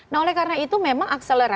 nah oleh karena itu memang akselerasi